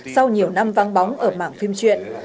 sau nhiều năm vang bóng ở mảng phim truyện